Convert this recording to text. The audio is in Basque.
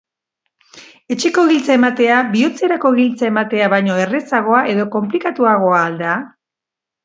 Etxeko giltza ematea bihotzerako giltza ematea baino errazagoa edo konplikatuagoa al da?